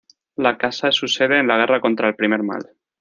La casa es su sede en la guerra contra el Primer Mal.